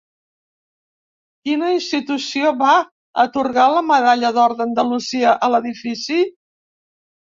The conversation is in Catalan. Quina institució va atorgar la Medalla d'Or d'Andalusia a l'edifici?